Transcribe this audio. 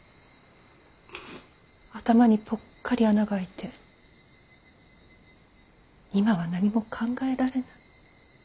頭にぽっかり穴が開いて今は何も考えられない。